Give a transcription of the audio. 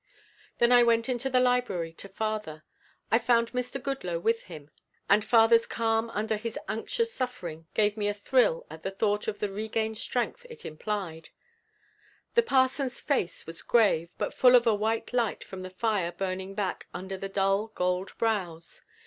Then I went into the library to father. I found Mr. Goodloe with him and father's calm under his anxious suffering gave me a thrill at the thought of the regained strength it implied. The parson's face was grave, but full of a white light from the fire burning back under the dull gold brows.